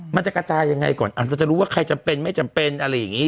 มันจะกระจายยังไงก่อนอาจจะรู้ว่าใครจำเป็นไม่จำเป็นอะไรอย่างนี้